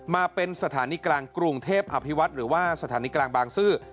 มาเป็นสถานีกลางกรุงเทพอภิวัตรหรือว่าสถานีกลางบางซื่อ